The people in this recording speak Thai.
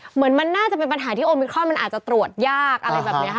เหมือนมันน่าจะเป็นปัญหาที่โอมิครอนมันอาจจะตรวจยากอะไรแบบนี้ค่ะ